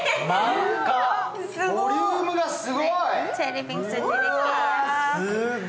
ボリュームがすごい。